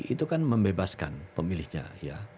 itu kan membebaskan pemilihnya ya